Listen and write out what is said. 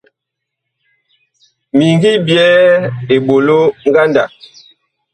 Mi ngi byɛɛ eɓolo ngandag.